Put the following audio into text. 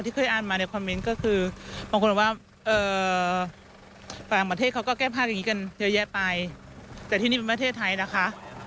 ถูกมั้ยคะ